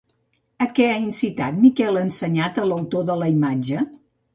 A què ha incitat Miquel Ensenyat a l'autor de la imatge?